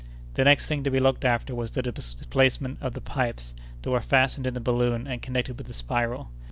The next thing to be looked after was the displacement of the pipes that were fastened in the balloon and connected with the spiral.